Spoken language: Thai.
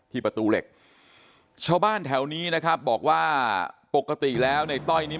ประตูเหล็กชาวบ้านแถวนี้นะครับบอกว่าปกติแล้วในต้อยนี้